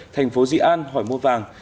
thành phố dị an hỏi mua vàng